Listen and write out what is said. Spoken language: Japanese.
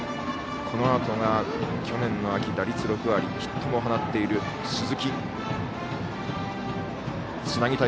このあとが去年の秋、打率６割ヒットも放っている鈴木。